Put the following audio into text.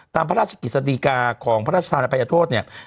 ตามพระราชกิจสติกาของพระราชธรรมอภัยโทษเนี่ย